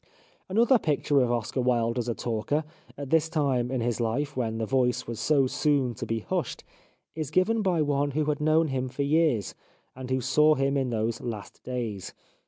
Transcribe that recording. Another picture of Oscar Wilde as a talker, at this time in his life when the voice was so soon to be hushed, is given by one who had known him for years, and who saw him in those last days.